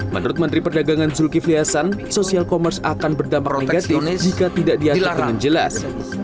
menurut menteri perdagangan zulkifli hasan social commerce akan berdampak negatif jika tidak diatur dengan jelas